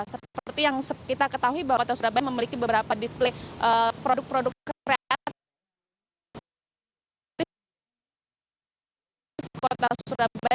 seperti yang kita ketahui bahwa kota surabaya memiliki beberapa display produk produk kreatif kota surabaya